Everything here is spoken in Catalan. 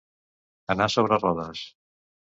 Anar sobre rodes.